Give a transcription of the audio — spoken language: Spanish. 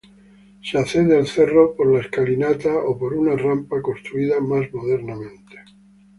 Se accede al cerro por una escalinata o por una rampa construida más modernamente.